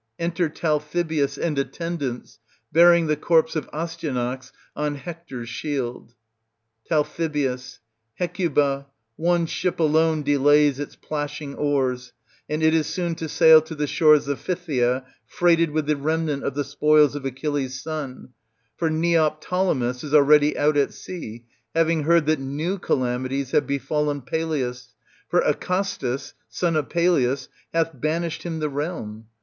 [Enter Talthybius and attendants^ bearing the corpse 0/ AsTYxsAX on Hector's shield, Tal. Hecuba, one ship alone delays its plashing oars, and it is soon to sail to the shores of Phthia freighted with the remnant of the spoils of Achilles* son ; for Neoptolemus is already out at sea, having heard that new calamities have befallen Peleus, for Acastus, son of Pelias, hath banished him the realm.